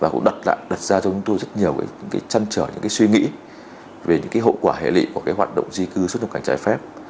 chân trở những suy nghĩ về những hậu quả hệ lị của hoạt động di cư xuất nhập cảnh trái phép